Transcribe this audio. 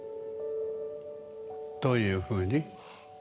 どういうふうに？